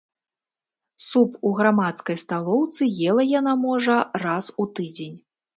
Суп у грамадскай сталоўцы ела яна, можа, раз у тыдзень.